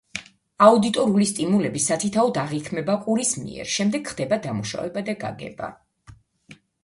აუდიტორული სტიმულები სათითაოდ აღიქმება ყურის მიერ, შემდეგ ხდება დამუშავება და გაგება.